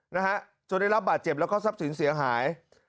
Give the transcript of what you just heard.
นะฮะจนได้รับบาดเจ็บแล้วก็ทรัพย์สินเสียหาย